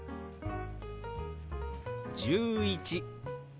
「１１」。